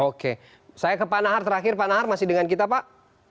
oke saya ke panahar terakhir panahar masih dengan kita pak